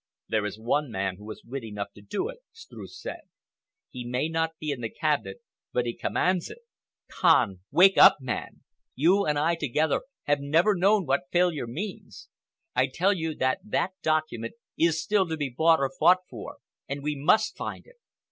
"There is one man who has wit enough to do it," Streuss said. "He may not be in the Cabinet, but he commands it. Kahn, wake up, man! You and I together have never known what failure means. I tell you that that document is still to be bought or fought for, and we must find it.